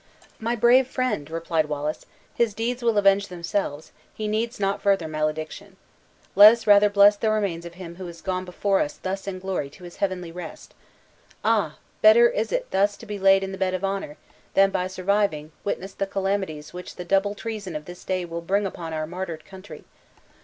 "My brave friend!" replied Wallace, "his deeds will avenge themselves, he needs not further malediction. Let us rather bless the remains of him who is gone before us thus in glory to his heavenly rest! Ah! better is it thus to be laid in the bed of honor, than, by surviving, witness the calamities which the double treason of this day will bring upon our martyred country!